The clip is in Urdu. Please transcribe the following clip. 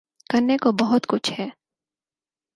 کرنے کو بہت کچھ ہے۔